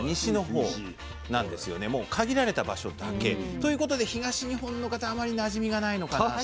もう限られた場所だけということで東日本の方はあまりなじみがないのかなと。